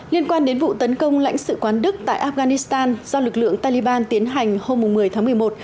liên quan đến vụ tấn công lãnh sự quán đức tại afghanistan do lực lượng taliban tiến hành hôm một mươi tháng một mươi một